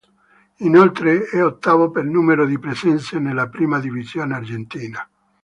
Inoltre, è ottavo per numero di presenze nella prima divisione argentina.